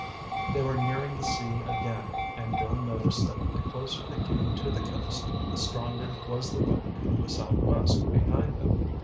They were nearing the sea again, and Bill noticed that the closer they came to the coast, the stronger was the wind from the southwest behind them.